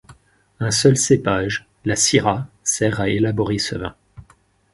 Un seul cépage, la syrah, sert à élaborer ce vin.